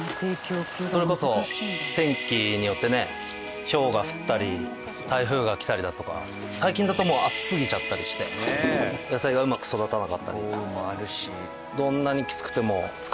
それこそ天気によってねひょうが降ったり台風が来たりだとか最近だともう暑すぎちゃったりして野菜がうまく育たなかったり。